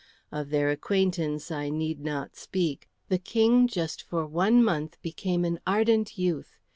Of their acquaintance I need not speak. The King just for one month became an ardent youth.